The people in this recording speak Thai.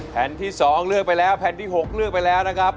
แผ่นที่๒เลือกไปแล้วแผ่นที่๖เลือกไปแล้วนะครับ